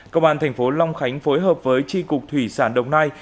công an thành phố long khánh phối hợp với tri cục thủy sản đồng nai